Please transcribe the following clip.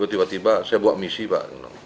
tiba tiba saya buat misi pak